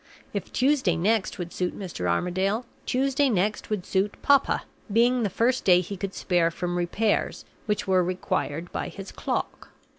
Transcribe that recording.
If Tuesday next would suit Mr. Armadale, Tuesday next would suit "papa" being the first day he could spare from repairs which were required by his clock.